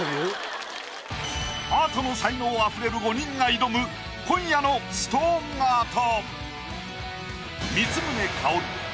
アートの才能あふれる５人が挑む今夜のストーンアート。